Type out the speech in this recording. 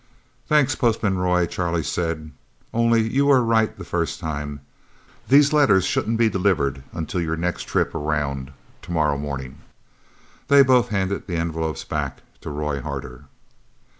"Thanks, Postman Roy," Charlie said. "Only you were right the first time. These letters shouldn't be delivered until your next trip around, tomorrow morning." They both handed the envelopes back to Roy Harder.